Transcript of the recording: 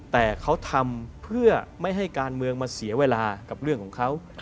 แต่เขาทำเพื่อไม่ให้การเมืองมาเสียเวลากับเรื่องของเขา